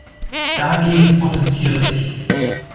Dagegen protestiere ich.